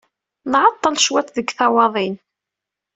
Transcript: Nɛeṭṭel cwiṭ deg tawwaḍin.